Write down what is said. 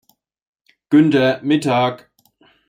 Günther Mittag